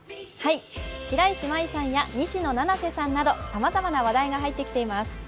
白石麻衣さんや、西野七瀬さんなど、さまざまな話題が入ってきています。